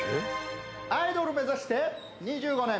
アイドル目指して２５年！